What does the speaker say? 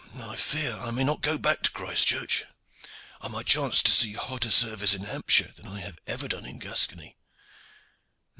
I fear I may not go back to Christchurch. I might chance to see hotter service in Hampshire than I have ever done in Gascony.